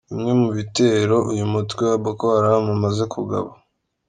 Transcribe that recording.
Bimwe mu bitero uyu mutwe wa Boko Haram umaze kugaba.